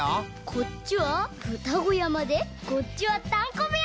こっちはふたごやまでこっちはたんこぶやま！